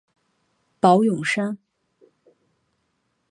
宝永山。